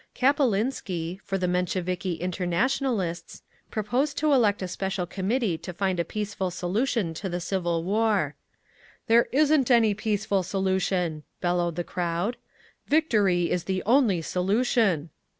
Kapelinski, for the Mensheviki Internationalists, proposed to elect a special committee to find a peaceful solution to the civil war. "There isn't any peaceful solution!" bellowed the crowed. "Victory is the only solution!"